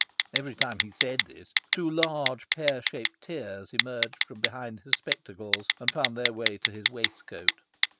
Every time he said this, two large, pear shaped tears emerged from behind his spectacles, and found their way to his waistcoat.